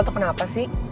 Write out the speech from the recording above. lu kenapa sih